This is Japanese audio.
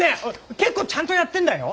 結構ちゃんとやってんだよ？